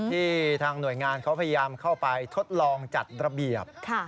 ที่ทางหน่วยงานเขาพยายามเข้าไปทดลองจัดระเบียบ